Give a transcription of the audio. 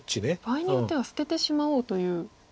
場合によっては捨ててしまおうという。